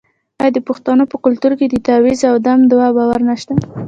آیا د پښتنو په کلتور کې د تعویذ او دم دعا باور نشته؟